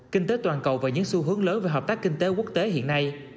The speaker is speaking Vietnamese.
kinh tế toàn cầu và những xu hướng lớn về hợp tác kinh tế quốc tế hiện nay